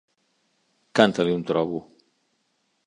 Canta-li un trobo!